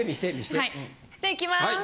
はいじゃあいきます。